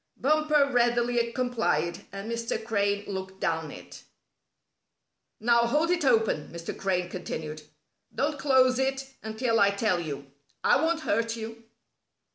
Bumper readily complied, and Mr. Crane looked down it. "Now hold it open," Mr. Crane continued. "Don't close it until I tell you. I won't hurt you."